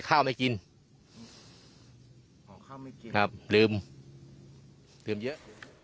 ข้าวไม่กินลืมเยอะ